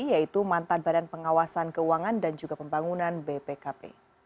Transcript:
yaitu mantan badan pengawasan keuangan dan juga pembangunan bpkp